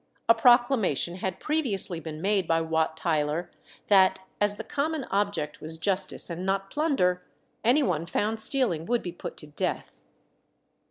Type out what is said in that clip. A proclamation had previously been made by Wat Tyler, that, as the common object was justice and not plunder, any one found stealing would be put to death.